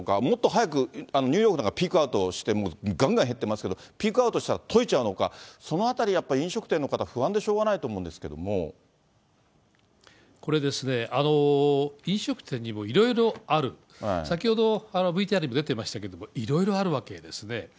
もっと早く、ニューヨークなんかはピークアウトして、がんがん減ってますけど、ピークアウトしたら解いちゃうのか、そのあたり、飲食店の方、不安でしょうがないと思うんですけれどこれ、飲食店にもいろいろある、先ほどＶＴＲにも出てましたけれども、いろいろあるわけですね。